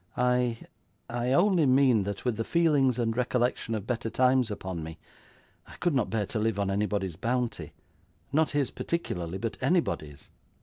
I I only mean that with the feelings and recollection of better times upon me, I could not bear to live on anybody's bounty not his particularly, but anybody's.